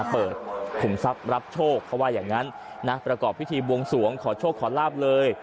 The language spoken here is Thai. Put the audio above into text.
ขุมทรัพย์รับโชคเขาว่าอย่างนั้นนะประกอบพิธีบวงสวงขอโชคขอลาบเลย